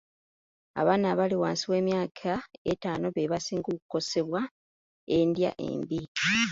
Abaana abali wansi w'emyaka etaano be basinga okukosebwa endya embi.